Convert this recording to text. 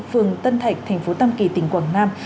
phường tân thạch tp tâm kỳ tỉnh quảng nam